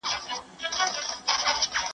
د سپین کاټن کالي ډېر نازک وو.